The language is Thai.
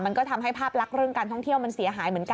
มันก็ทำให้ภาพลักษณ์เรื่องการท่องเที่ยวมันเสียหายเหมือนกัน